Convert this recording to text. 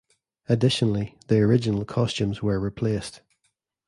Additionally, the original costumes were replaced.